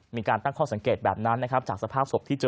มีการตั้งข้อสังเกตแบบนั้นนะครับจากสภาพศพที่เจอ